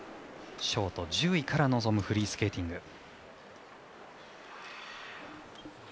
ショート１０位から臨むフリースケーティング。